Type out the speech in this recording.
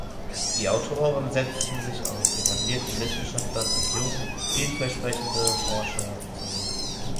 Die Autoren setzten sich aus etablierten Wissenschaftlern und jungen, viel versprechende Forscher zusammen.